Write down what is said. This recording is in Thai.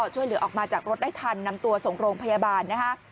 ช่วยเหลือออกมาจากรถได้ทันนำตัวส่งโรงพยาบาลนะคะ